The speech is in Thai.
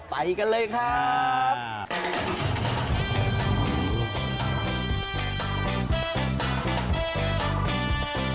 ไปกันเลยครับ